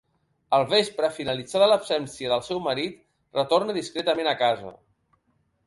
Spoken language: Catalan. Al vespre, finalitzada l'absència del seu marit, retorna discretament a casa.